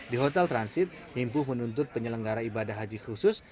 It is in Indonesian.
di hotel transit himpuh menuntut penyelenggara ibadah haji khusus